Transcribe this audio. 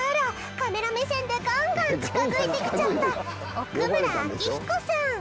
カメラ目線でガンガン近づいてきちゃった奥村明彦さん。